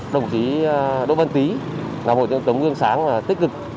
đồng chí đỗ văn tý là một trong những tổng ngương sáng tích cực